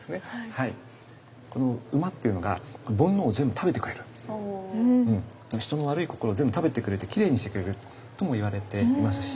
この馬っていうのが人の悪い心を全部食べてくれてきれいにしてくれるともいわれていますし。